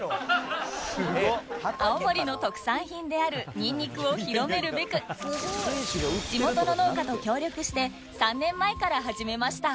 青森の特産品であるニンニクを広めるべく地元の農家と協力して３年前から始めました